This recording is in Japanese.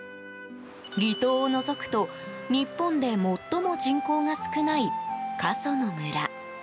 離島を除くと、日本で最も人口が少ない過疎の村。